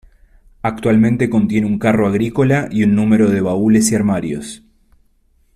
Actualmente contiene un carro agrícola y un número de baúles y armarios.